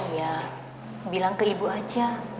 ya bilang ke ibu aja